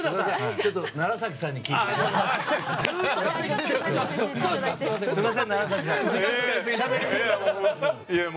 ちょっと楢崎さんに聞いても。